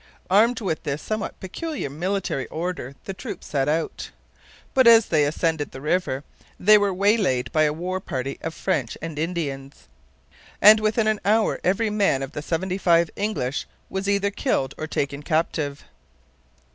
Armed with this somewhat peculiar military order, the troops set out. But as they ascended the river they were waylaid by a war party of French and Indians, and within an hour every man of the seventy five English was either killed or taken captive.